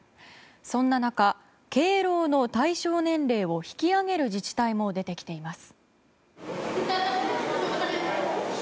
そんな中、敬老の対象年齢を引き上げる自治体も出てきています。